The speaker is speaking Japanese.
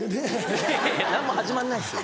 いやいや何も始まんないですよ。